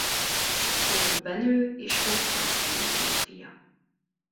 Kohn Benő és Hoffmann Terézia fia.